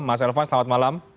mas elvan selamat malam